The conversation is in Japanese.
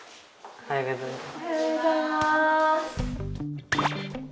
おはようございます。